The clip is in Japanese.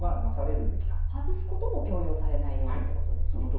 外すことも強要されないようにってことですね。